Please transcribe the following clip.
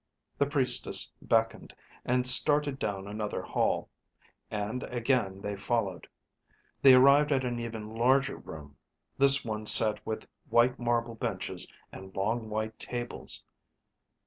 The Priestess beckoned and started down another hall, and again they followed. They arrived at an even larger room, this one set with white marble benches and long white tables.